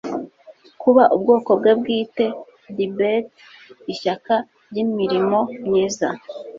kuba ubwoko bwe bwite d ba te ishyaka ry imirimo myiza